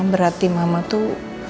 berarti mama tuh